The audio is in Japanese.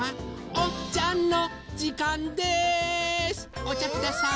おちゃください。